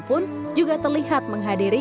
pun juga terlihat menghadiri